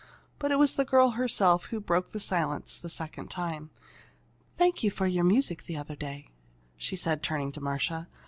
But it was the girl herself who broke the silence the second time. "Thank you for your music the other day," she said, turning to Marcia.